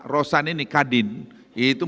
rosan ini kadin itu